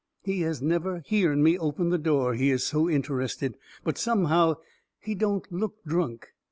He has never hearn me open the door, he is so interested. But somehow, he don't look drunk.